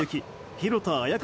廣田綾香